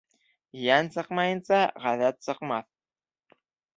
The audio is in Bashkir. Йән сыҡмайынса, ғәҙәт сыҡмаҫ.